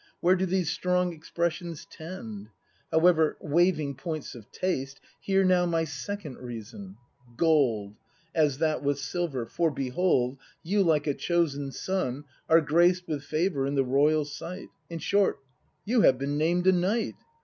Where do these strong expressions tend ? However, waiving points of taste. Hear now my second reason, — gold. As that was silver; for, behold. You, like a chosen son, are graced With favour in the royal sight; In short, — you have been named a Knight!